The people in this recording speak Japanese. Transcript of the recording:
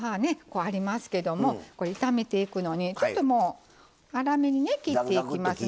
こうありますけどもこれ炒めていくのに粗めにね切っていきます。